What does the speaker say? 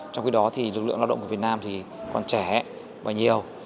trong khi đó thì lực lượng lao động của việt nam thì còn trẻ và nhiều